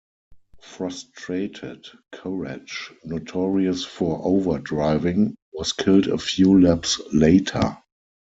Frustrated, Courage, notorious for overdriving, was killed a few laps later.